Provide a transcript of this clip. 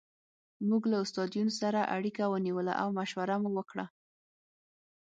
موږ له استاد یون سره اړیکه ونیوله او مشوره مو وکړه